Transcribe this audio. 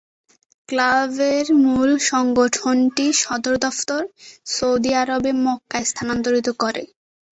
ক্লাবের মূল সংগঠনটি সদর দফতর সৌদি আরবের মক্কায় স্থানান্তরিত করে।